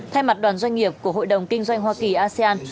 thay mặt đoàn doanh nghiệp của hội đồng kinh doanh hoa kỳ asean